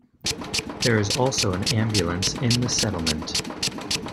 There is also an ambulance in the settlement.